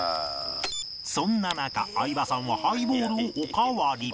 そんな中相葉さんはハイボールをおかわり